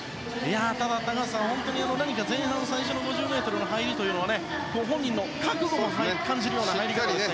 ただ高橋さん、本当に何か前半最初の５０ｍの入りは本人の覚悟を感じるような入りでした。